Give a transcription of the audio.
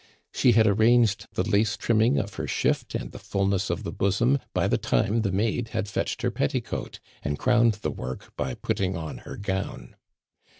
She had arranged the lace trimming of her shift and the fulness of the bosom by the time the maid had fetched her petticoat, and crowned the work by putting on her gown.